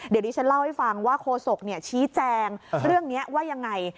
เดี๋ยวดิฉันเล่าให้ฟังว่าโคศกชี้แจงเรื่องนี้ว่ายังไง